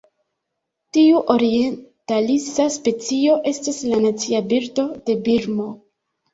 Tiu orientalisa specio estas la nacia birdo de Birmo.